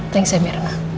thanks ya miranda